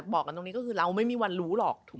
บอกกันตรงนี้ก็คือเราไม่มีวันรู้หรอก